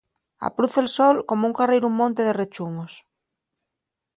Apruz el sol como un carreiru en monte de reḷḷumos.